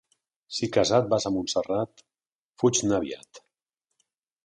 Si casat vas a Montserrat, fuig-ne aviat.